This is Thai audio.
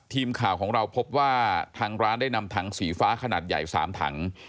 ทีมข่าวของเราพบว่าทางร้านได้นำถังสีฟ้าขนาดใหญ่๓ถัง